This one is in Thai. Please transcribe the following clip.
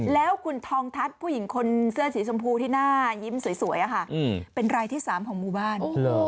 แล้วคุณทองทัศน์ผู้หญิงคนเสื้อสีชมพูที่หน้ายิ้มสวยเป็นรายที่๓ของหมู่บ้าน